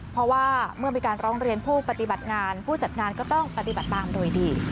เพราะว่าเมื่อมีการร้องเรียนผู้ปฏิบัติงานผู้จัดงานก็ต้องปฏิบัติตามโดยดี